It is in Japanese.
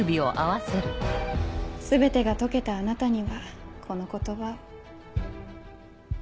全てが解けたあなたにはこの言葉を。